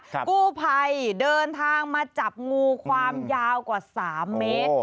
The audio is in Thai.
กู้ภัยเดินทางมาจับงูความยาวกว่า๓เมตร